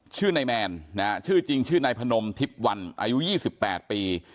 ชื่อนายแมนนะฮะชื่อจริงชื่อนายพนมทิพย์วันอายุ๒๘ปี